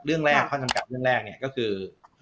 เรื่องแรกข้อจำกัดเรื่องแรกเนี่ยก็คือ